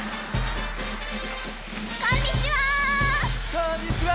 こんにちは！